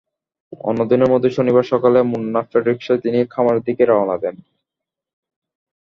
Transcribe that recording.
অন্যদিনের মতোই শনিবার সকালে মুন্নাফের রিকশায় তিনি খামারের দিকে রওনা দেন।